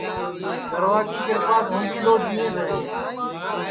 گَروا کی کِرپاس ہوں بھی دؔوجینٚیس ہے